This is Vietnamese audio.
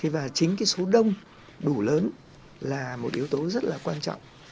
và chính số đông đủ lớn là một yếu tố rất là quan trọng